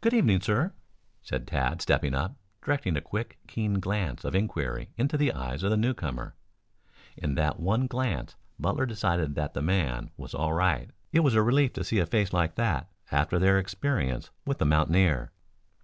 "Good evening, sir," said Tad stepping up, directing a quick, keen glance of inquiry into the eyes of the newcomer. In that one glance Butler decided that the man was all right. It was a relief to see a face like that after their experience with the mountaineer.